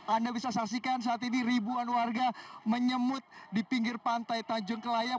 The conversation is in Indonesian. anda bisa saksikan saat ini ribuan warga menyemut di pinggir pantai tanjung kelayang